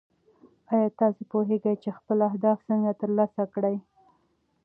ایا تاسو پوهېږئ چې خپل اهداف څنګه ترلاسه کړئ؟